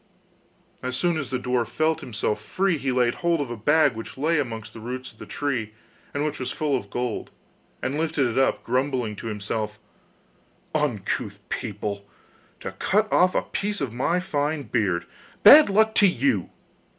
As soon as the dwarf felt himself free he laid hold of a bag which lay amongst the roots of the tree, and which was full of gold, and lifted it up, grumbling to himself: 'Uncouth people, to cut off a piece of my fine beard. Bad luck to you!